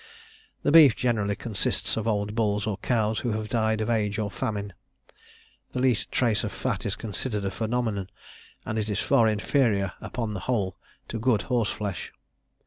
The beef generally consists of old bulls or cows who have died of age or famine; the least trace of fat is considered a phenomenon, and it is far inferior upon the whole to good horse flesh.